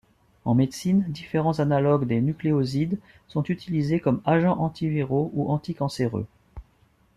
En médecine, différents analogues des nucléosides sont utilisés comme agents antiviraux ou anticancéreux.